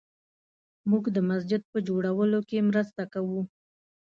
موږ د مسجد په جوړولو کې مرسته کوو